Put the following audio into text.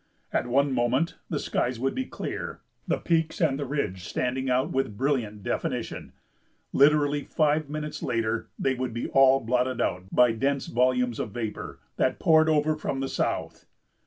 At one moment the skies would be clear, the peaks and the ridge standing out with brilliant definition; literally five minutes later they would be all blotted out by dense volumes of vapor that poured over from the south.